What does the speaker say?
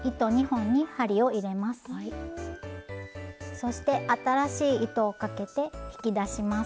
そして新しい糸をかけて引き出します。